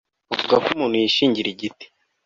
bavuga ko umuntu yishingira igiti